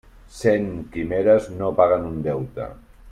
Cent quimeres no paguen un deute.